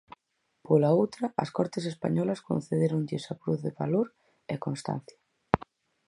Pola outra, as Cortes españolas concedéronlles a Cruz de Valor e Constancia.